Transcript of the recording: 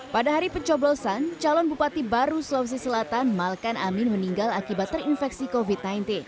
pada hari pencoblosan calon bupati baru sulawesi selatan malkan amin meninggal akibat terinfeksi covid sembilan belas